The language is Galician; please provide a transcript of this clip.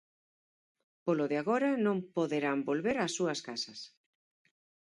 Polo de agora non poderán volver ás súas casas.